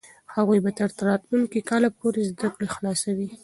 هغوی به تر راتلونکي کاله پورې زده کړې خلاصوي.